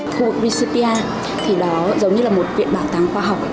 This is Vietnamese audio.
khu vực ritsupia thì đó giống như là một viện bảo tàng khoa học